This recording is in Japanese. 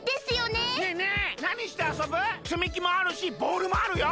つみきもあるしボールもあるよ！